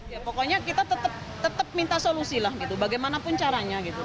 ya pokoknya kita tetap minta solusi lah gitu bagaimanapun caranya gitu